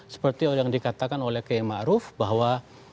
seperti yang dikatakan oleh km arief bahwa